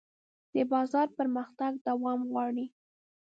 د بازار پرمختګ دوام غواړي.